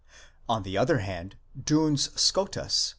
On the other hand, Duns Scotus